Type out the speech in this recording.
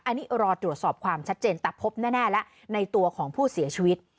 อันนี้รอตรวจสอบความชัดเจนแต่พบแน่แล้วในตัวของผู้เสียชีวิต